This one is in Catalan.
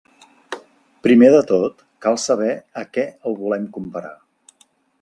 Primer de tot cal saber a què el volem comparar.